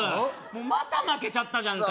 もうまた負けちゃったじゃんかよ